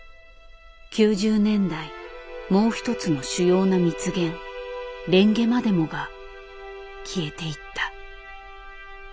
９０年代もう一つの主要な蜜源レンゲまでもが消えていった。